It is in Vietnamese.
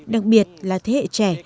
đặc biệt là thế hệ trẻ